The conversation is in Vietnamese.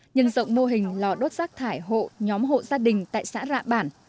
nhân rộng mô hình lò đốt rác thải hộ nhóm hộ gia đình tại xã rạ bản